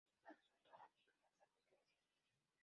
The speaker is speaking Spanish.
Sus padres son Dora Gil y Alberto Iglesias.